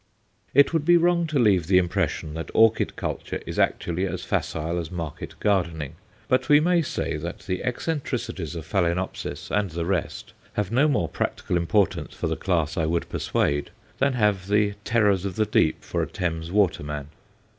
It would be wrong to leave the impression that orchid culture is actually as facile as market gardening, but we may say that the eccentricities of Phaloenopsis and the rest have no more practical importance for the class I would persuade than have the terrors of the deep for a Thames water man.